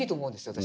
私。